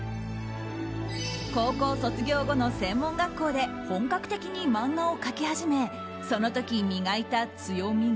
高校卒業後の専門学校で本格的に漫画を描き始めその時、磨いた強みが。